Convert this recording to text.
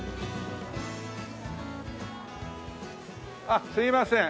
あっすいません。